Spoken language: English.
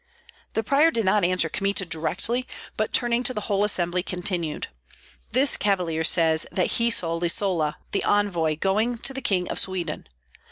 The prior did not answer Kmita directly, but turning to the whole assembly, continued, "This cavalier says that he saw Lisola, the envoy, going to the King of Sweden.